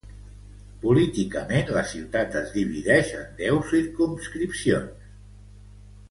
Políticament, la ciutat es divideix en deu circumscripcions.